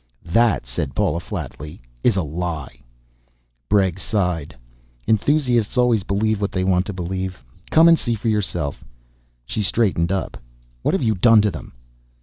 "That," said Paula flatly, "is a lie." Bregg sighed. "Enthusiasts always believe what they want to believe. Come and see for yourself." She straightened up. "What have you done to them?"